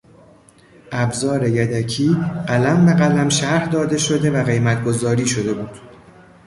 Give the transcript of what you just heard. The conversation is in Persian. ابزار یدکی قلم به قلم شرح داده شده و قیمت گذاری شده بود.